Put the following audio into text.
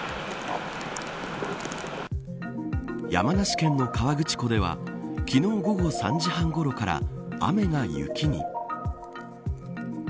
山梨県の河口湖では昨日午後３時半ごろから雨が雪に。